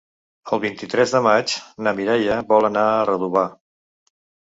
El vint-i-tres de maig na Mireia vol anar a Redovà.